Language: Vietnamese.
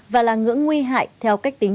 và là ngưỡng nguy hại theo cách tính